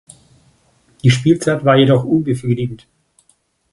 Die Spielzeit war jedoch unbefriedigend.